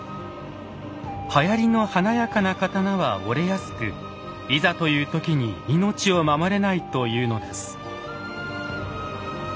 はやりの華やかな刀は折れやすくいざという時に命を守れないというのです。